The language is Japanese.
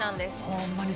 ホンマに